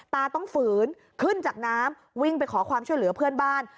ตาต้องฝืนขึ้นจากน้ำวิ่งไปขอความช่วยเหลือเพื่อนบ้าน